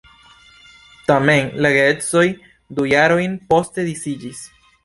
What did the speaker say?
Tamen la geedzoj du jarojn poste disiĝis.